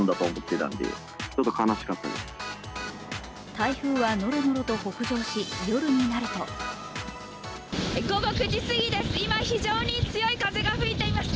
台風はのろのろと北上し、夜になると午後９時すぎです、今、非常に強い風が吹いています。